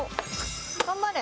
頑張れ。